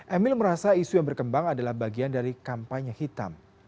emil merasa isu yang berkembang adalah bagian dari kampanye hitam